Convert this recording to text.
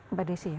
mbak desi ya